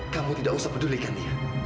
kamu tidak usah pedulikan dia